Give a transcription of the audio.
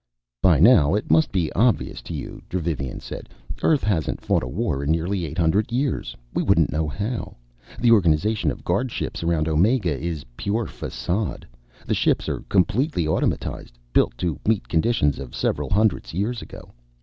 "By now it must be obvious to you," Dravivian said. "Earth hasn't fought a war for nearly eight hundred years. We wouldn't know how. The organization of guardships around Omega is pure façade. The ships are completely automatized, built to meet conditions of several hundreds years ago.